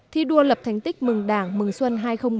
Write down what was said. thi đua lập thành tích mừng đảng mừng xuân hai nghìn một mươi tám